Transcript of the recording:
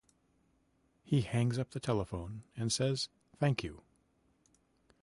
He hangs up the telephone and says, Thank you.